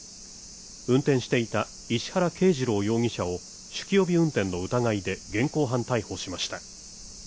運転していた石原啓二郎容疑者を酒気帯び運転の疑いで現行犯逮捕しました。